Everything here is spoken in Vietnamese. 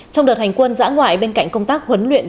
trong đợt hành quân giã ngoại bên cạnh công tác huấn luyện